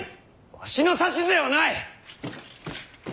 わしの指図ではない！